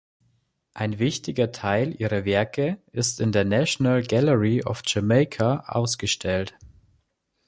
Ein wichtiger Teil ihrer Werke ist in der "National Gallery of Jamaica" ausgestellt.